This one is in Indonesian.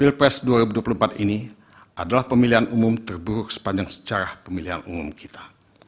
terang benerang di mata kita semua bahwa pilpres dua ribu dua puluh empat ini adalah pemilihan umum terburuk sepanjang secara pemilihan umum kita